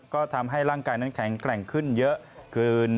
ก็ทำให้ร่างกายนั้นแข็งแกร่งขึ้นเยอะเกิน